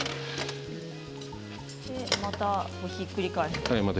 また、ひっくり返して。